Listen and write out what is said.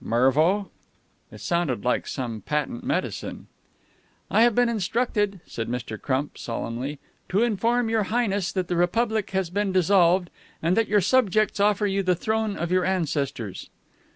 "Mervo?" It sounded like some patent medicine. "I have been instructed," said Mr. Crump solemnly, "to inform Your Highness that the Republic has been dissolved, and that your subjects offer you the throne of your ancestors."